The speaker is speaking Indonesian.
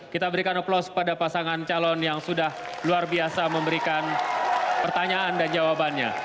kita berikan aplaus pada pasangan calon yang sudah luar biasa memberikan pertanyaan dan jawabannya